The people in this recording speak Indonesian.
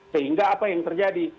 sehingga apa yang terjadi